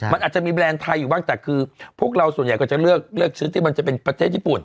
มันอาจจะมีแบรนด์ไทยอยู่บ้างแต่คือพวกเราส่วนใหญ่ก็จะเลือกเลือกชุดที่มันจะเป็นประเทศญี่ปุ่น